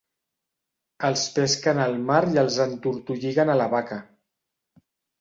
Els pesquen al mar i els entortolliguen a la baca.